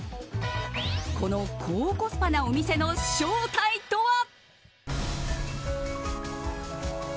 この高コスパなお店の正体とは？